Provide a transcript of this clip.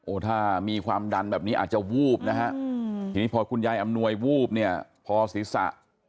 โอท่ามีความดันแบบนี้อาจจะวูบพอยายอำนวยวูบพอศรีษะ